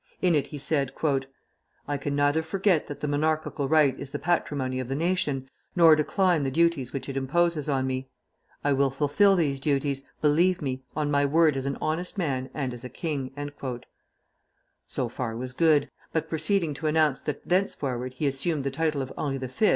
In it he said, "I can neither forget that the monarchical right is the patrimony of the nation, nor decline the duties which it imposes on me. I will fulfil these duties, believe me, on my word as an honest man and as a king." So far was good; but proceeding to announce that thenceforward he assumed the title of Henri V.